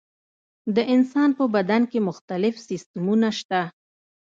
د انسان په بدن کې مختلف سیستمونه شته.